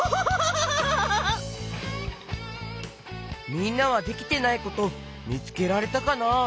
みんなはできてないことみつけられたかな？